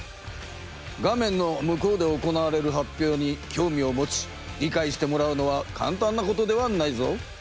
画面の向こうで行われる発表にきょうみを持ちりかいしてもらうのはかんたんなことではないぞ。